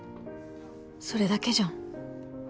それだけじゃん